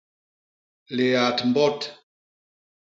Liat mbot.